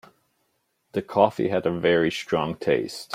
The coffee had a very strong taste.